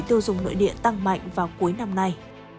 tiêu dùng nội địa tăng mạnh vào cuối năm nay